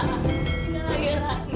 tidak lagi tak lagi